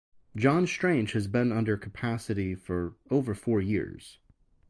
John Strange has been under capacity for over four years.